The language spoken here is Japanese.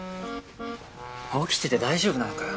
起きてて大丈夫なのかよ？